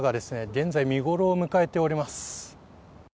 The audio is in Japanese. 現在見頃を迎えております。